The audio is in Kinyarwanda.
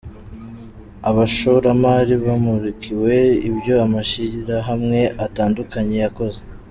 Abashoromari bamurikiwe ibyo amashyirahamwe atandukanye yakoze.